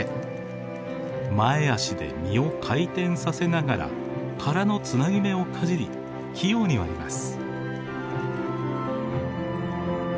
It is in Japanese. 前足で実を回転させながら殻のつなぎ目をかじり器用に割ります。